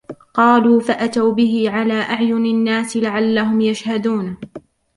قَالُوا فَأْتُوا بِهِ عَلَى أَعْيُنِ النَّاسِ لَعَلَّهُمْ يَشْهَدُونَ